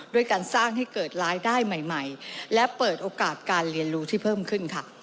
ด้วยการสร้างให้เกิดรายได้ใหม่และเปิดโอกาสการเรียนรู้ที่เพิ่มขึ้นค่ะ